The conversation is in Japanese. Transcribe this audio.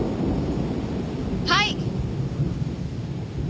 はい！